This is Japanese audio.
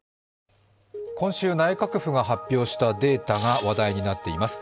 今週、内閣府が発表したデータが話題となっています。